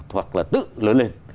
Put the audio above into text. hoặc là tự lớn lên